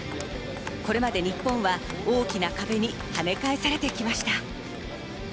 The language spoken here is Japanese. これまで日本は大きな壁に跳ね返されてきました。